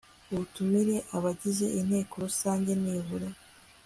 ubutumire abagize inteko Rusange nibura